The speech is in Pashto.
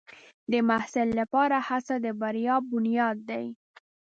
د محصل لپاره هڅه د بریا بنیاد دی.